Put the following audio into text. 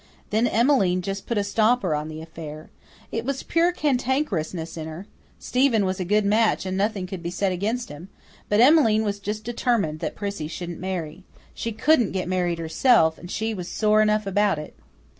Then Emmeline just put a stopper on the affair. It was pure cantankerousness in her. Stephen was a good match and nothing could be said against him. But Emmeline was just determined that Prissy shouldn't marry. She couldn't get married herself, and she was sore enough about it.